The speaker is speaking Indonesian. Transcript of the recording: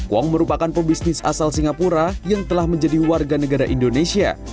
wong merupakan pebisnis asal singapura yang telah menjadi warga negara indonesia